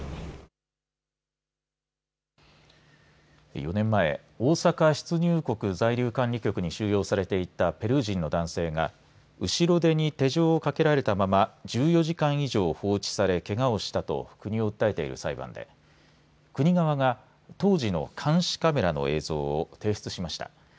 ４年前、大阪出入国在留管理局に収容されていたペルー人の男性が後ろ手に手錠をかけられたまま１４時間以上放置されけがをしたと国を訴えている裁判で国側が当時の監視カメラの映像を提出しました。